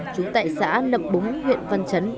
chúng tại xã lập búng huyện văn chấn